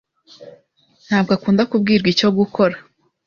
Ntabwo akunda kubwirwa icyo gukora.